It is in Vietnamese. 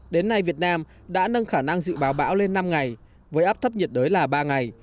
đến nay việt nam đã nâng khả năng dự báo bão lên năm ngày với áp thấp nhiệt đới là ba ngày